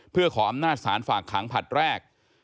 เพื่อขออำนาจศาลฝากขังผลัดแรก